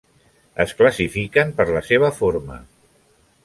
Es classifiquen per la seva forma.